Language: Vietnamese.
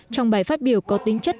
trong bài phát biểu có tính chất